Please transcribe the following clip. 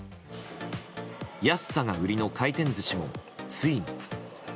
安さが売りの回転寿司もついに。